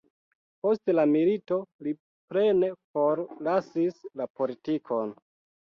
Post la milito li plene forlasis la politikon.